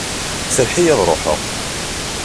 Serreḥ-iyi ad ruḥeɣ!